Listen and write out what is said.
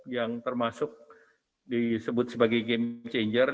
yang termasuk disebut sebagai game changer